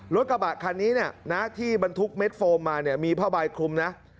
รถกระบะคันนี้เนี่ยนะที่บรรทุกเม็ดโฟมมาเนี่ยมีผ้าใบคลุมนะ